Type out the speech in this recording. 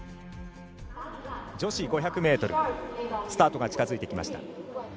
女子５００ｍスタートが近づいてきました。